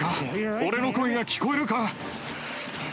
俺の声が聞こえるか？